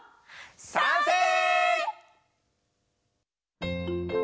さんせい！